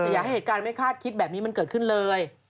อย่าให้เหตุการณ์ไม่คาดคิดแบบนี้มันเกิดขึ้นเลย